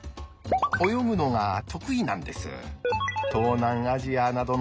泳ぐのが得意なんです。